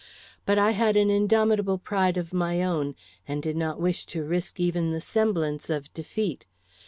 But I had an indomitable pride of my own, and did not wish to risk even the semblance of defeat.